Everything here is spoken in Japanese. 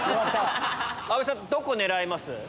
どこ狙います？